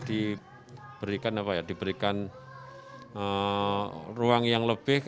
diberikan apa ya diberikan ruang yang lebih